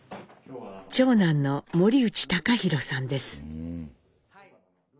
長男の森内貴寛さんです。